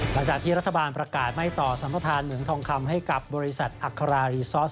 หลังจากที่รัฐบาลประกาศไม่ต่อสัมประธานเหมืองทองคำให้กับบริษัทอัครารีซอส